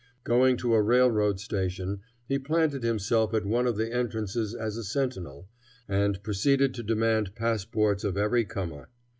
Going to a railroad station, he planted himself at one of the entrances as a sentinel, and proceeded to demand passports of every comer.